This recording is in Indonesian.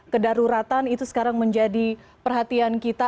kedaruratan itu sekarang menjadi perhatian kita